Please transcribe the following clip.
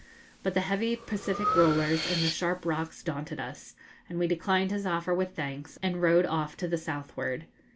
But the heavy Pacific rollers and the sharp rocks daunted us, and we declined his offer with thanks, and rowed off to the southward.